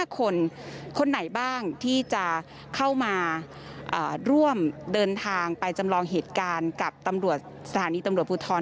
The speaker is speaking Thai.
คนคนไหนบ้างที่จะเข้ามาร่วมเดินทางไปจำลองเหตุการณ์กับตำรวจสถานีตำรวจภูทร